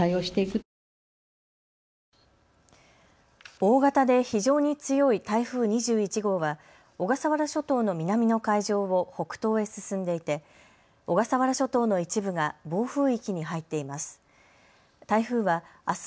大型で非常に強い台風２１号は小笠原諸島の南の海上を北東へ進んでいて小笠原諸島の一部が暴風域に入っています。